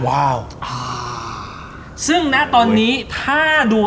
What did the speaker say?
ว้าว